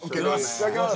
いただきます！